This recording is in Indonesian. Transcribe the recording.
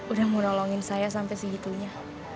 udah mau nolongin saya sampai segitunya